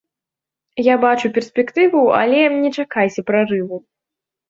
Я бачу перспектыву, але не чакайце прарыву.